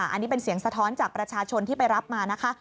อันนี้เป็นเสียงสะท้อนจากประชาชนที่ไปรับมานะคะ